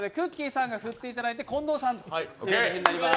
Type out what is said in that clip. さんが振っていただいて近藤さんになります。